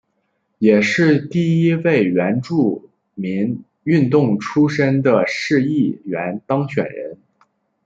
也是第一位原住民运动出身的市议员当选人。